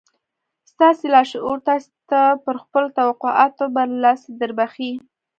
ستاسې لاشعور تاسې ته پر خپلو توقعاتو برلاسي دربښي.